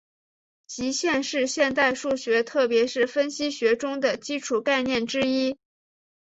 极限是现代数学特别是分析学中的基础概念之一。